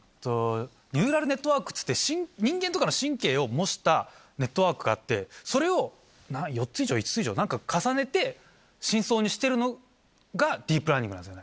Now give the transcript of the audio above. ニューラルネットワークって人間とかの神経を模したネットワークがあってそれを４つ以上５つ以上重ねて深層にしてるのがディープラーニングなんですよね。